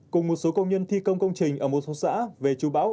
cùng một số công nhân thi công công trình ở một số xã về chú bão